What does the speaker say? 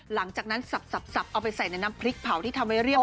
หลังจากนั้นสับเอาไปใส่ในน้ำพริกเผาที่ทำให้เรียบ